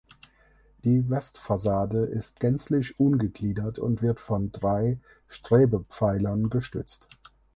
Die Westfassade ist gänzlich ungegliedert und wird von drei Strebepfeilern gestützt.